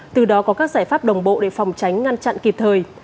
từ đó có các giải pháp đồng bộ để phòng tránh ngăn chặn kịp thời